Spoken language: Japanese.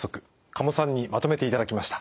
加茂さんにまとめていただきました。